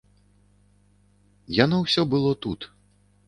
Яно ўсё было тут.